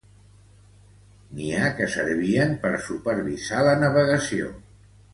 N'hi ha que servien per supervisar la navegació.